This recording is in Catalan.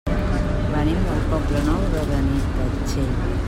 Venim del Poble Nou de Benitatxell.